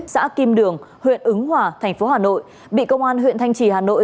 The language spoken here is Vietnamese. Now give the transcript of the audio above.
xã kim đường huyện ứng hòa tp hà nội bị công an huyện thanh trì hà nội